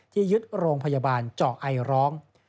ที่ยึดโรงพยาบาลเจาะไอร้อง